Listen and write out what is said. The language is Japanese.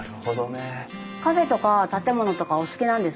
カフェとか建物とかお好きなんですか？